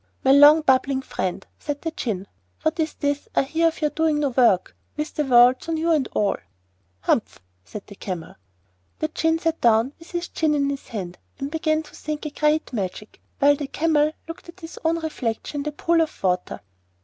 'My long and bubbling friend,' said the Djinn, 'what's this I hear of your doing no work, with the world so new and all?' 'Humph!' said the Camel. The Djinn sat down, with his chin in his hand, and began to think a Great Magic, while the Camel looked at his own reflection in the pool of water.